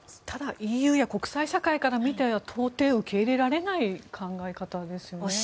ただＥＵや国際社会から見たら到底受け入れられない考え方ですよね。